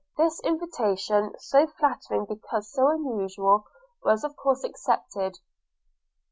This invitation, so flattering because so unusual, was of course accepted.